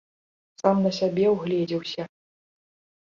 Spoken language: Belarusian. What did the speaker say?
Сам на сябе ўгледзеўся.